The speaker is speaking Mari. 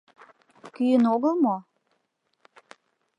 Кӱын огыл мо?